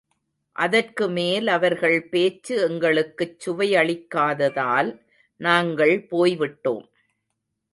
அதற்குமேல் அவர்கள் பேச்சு எங்களுக்குச் சுவையளிக்காததால் நாங்கள் போய் விட்டோம்.